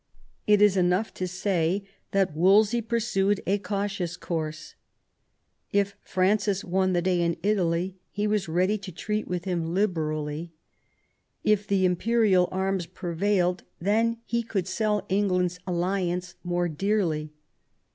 It is enough to say that Wolsey pursued a cautious course : if Francis won the day in Italy he was ready to treat with him liberally : if the imperial arms prevailed, then he could sell England's alliance more dearly.